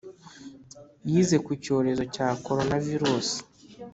yize ku cyorezo cya coronavirus